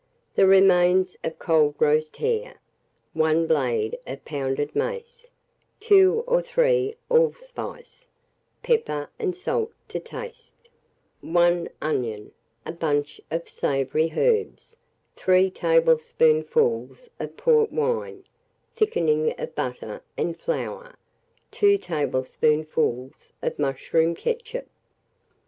The remains of cold roast hare, 1 blade of pounded mace, 2 or 3 allspice, pepper and salt to taste, 1 onion, a bunch of savoury herbs, 3 tablespoonfuls of port wine, thickening of butter and flour, 2 tablespoonfuls of mushroom ketchup.